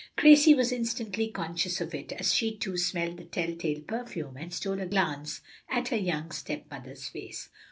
Gracie was instantly conscious of it, as she, too, smelled the tell tale perfume, and stole a glance at her young stepmother's face.